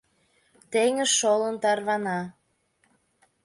«Теҥыз шолын тарвана